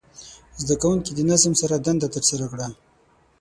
زده کوونکي د نظم سره دنده ترسره کړه.